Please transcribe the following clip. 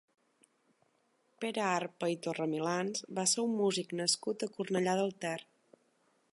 Pere Arpa i Torremilans va ser un músic nascut a Cornellà del Terri.